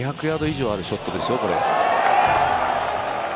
２００ヤード以上あるショットですよ、これ。